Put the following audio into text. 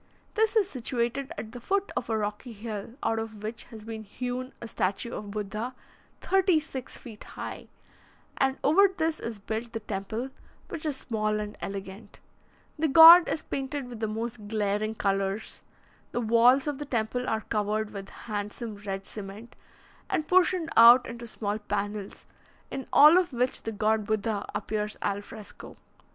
This is situated at the foot of a rocky hill, out of which has been hewn a statue of Buddha, thirty six feet high, and over this is built the temple, which is small and elegant. The god is painted with the most glaring colours. The walls of the temple are covered with handsome red cement, and portioned out into small panels, in all of which the god Buddha appears al fresco.